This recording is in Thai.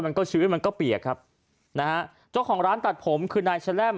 มันก็ชื้นมันก็เปียกครับนะฮะเจ้าของร้านตัดผมคือนายแร่ม